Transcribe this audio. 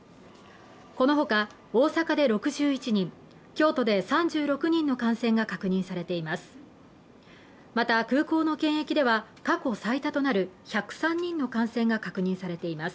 このほか大阪で６１人、京都で３６人の感染が確認されています。